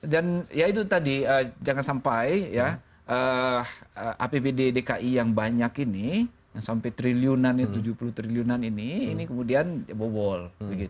dan ya itu tadi jangan sampai ya apbd dki yang banyak ini sampai triliunan tujuh puluh triliunan ini ini kemudian bobol